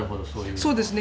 そうですね。